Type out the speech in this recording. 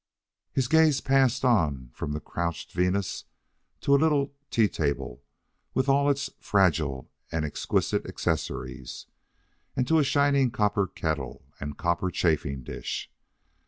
His gaze passed on from the Crouched Venus to a little tea table with all its fragile and exquisite accessories, and to a shining copper kettle and copper chafing dish.